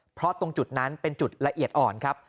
เพราะตรงจุดนั้นเป็นจุดละเอียดอ่อนครับ